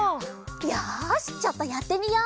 よしちょっとやってみよう！